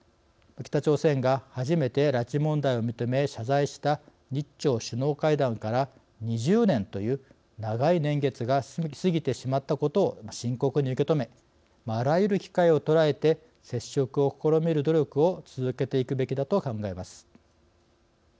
北朝鮮が初めて拉致問題を認め謝罪した日朝首脳会談から２０年という長い年月が過ぎてしまったことを深刻に受け止めあらゆる機会を捉えて接触を試みる努力を続けていくべきだと考えます。